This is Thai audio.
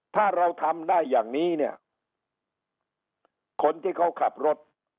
ถ้าเราทำได้อย่างนี้เนี่ยคนที่เขาขับรถ